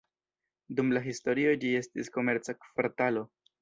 Dum la historio ĝi estis komerca kvartalo.